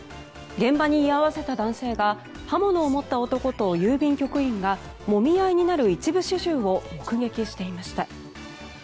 現場に居合わせた男性が刃物を持った男と郵便局員がもみ合いになる一部始終を目撃していました。